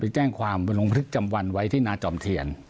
แจ้งความบนลงพลึกจำวันไว้ที่นาจอมเทียน